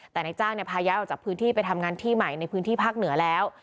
แต่นายจ้างพาย้ายออกจากพื้นที่ไปทำงานที่ใหม่ในพื้นที่ภาคเหนือแล้ว